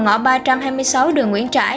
ngõ ba trăm hai mươi sáu đường nguyễn trãi